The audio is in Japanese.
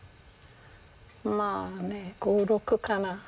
まあね５６個かな。